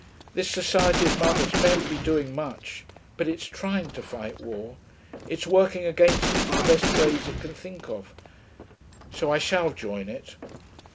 This society of mother's mayn't be doing much, but it's trying to fight war; it's working against it in the best ways it can think of. So I shall join it....